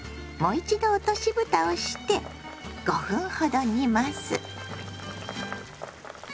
もう一度落としぶたをして５分ほど煮ます。